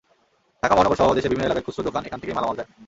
ঢাকা মহানগরসহ দেশের বিভিন্ন এলাকার খুচরা দোকানে এখান থেকেই মালামাল যায়।